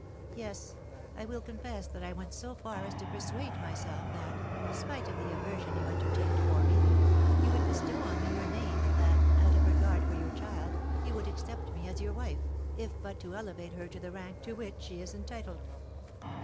Yes, I will confess that I went so far as to persuade myself that, spite of the aversion you entertained for me, you would bestow on me your name, and that, out of regard for your child, you would accept me as your wife, if but to elevate her to the rank to which she is entitled."